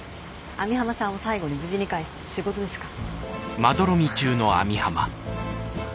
網浜さんを最後に無事に帰すのも仕事ですから。